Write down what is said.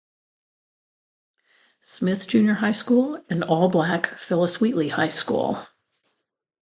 Smith Junior High School, and all-black Phyllis Wheatley High School.